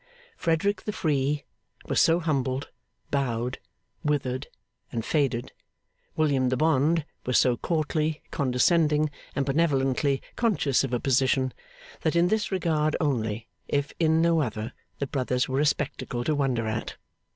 Frederick the free, was so humbled, bowed, withered, and faded; William the bond, was so courtly, condescending, and benevolently conscious of a position; that in this regard only, if in no other, the brothers were a spectacle to wonder at.